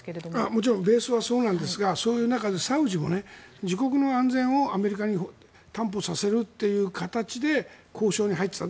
もちろんベースはそうですがそういう中でサウジも自国の安全をアメリカに担保させるという形で交渉に入っていた。